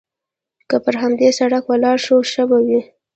که پر همدې سړک ولاړ شو، ښه به وي.